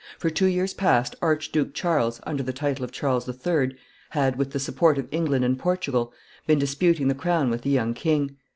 For two years past Archduke Charles, under the title of Charles III., had, with the support of England and Portugal, been disputing the crown with the young king.